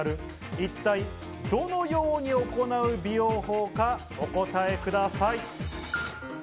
一体どのように行う美容法か、お答えください。